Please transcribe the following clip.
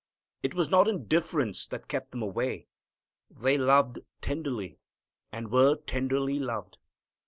It was not indifference that kept them away. They loved tenderly, and were tenderly loved.